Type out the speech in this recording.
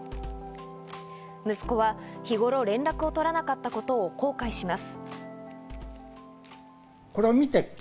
息子は日頃、連絡を取らなかったことを後悔します。